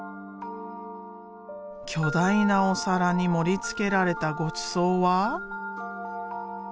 巨大なお皿に盛りつけられたごちそうは。